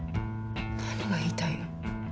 何が言いたいの？